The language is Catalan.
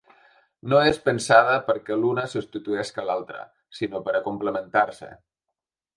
No és pensada perquè l’una substituesca l’altra, sinó per a complementar-se.